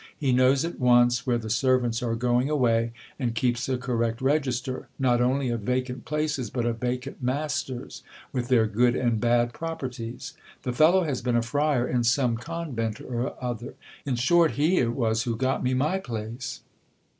He knows at once where the servants are going away, and keeps a correct register, not only of vacant places, but of vacant masters, with their good and bad properties. The fellow has been a friar in some convent or other. In short, he it was who got me my place.